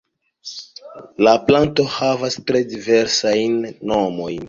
La planto havas tre diversajn nomojn.